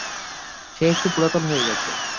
সে একটু পুরাতন হয়ে গেছে।